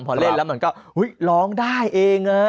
พอเล่นแล้วมันก็ร้องได้เอง